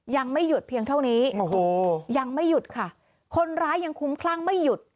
ยังไม่หยุดเพียงเท่านี้โอ้โหยังไม่หยุดค่ะคนร้ายยังคุ้มคลั่งไม่หยุด